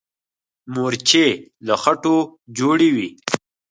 مورچې له خټو جوړې وي.